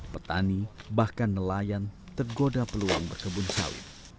petani bahkan nelayan tergoda peluang berkebun sawit